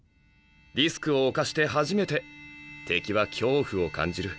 リスクを冒して初めて敵は恐怖を感じる。